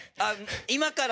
今から？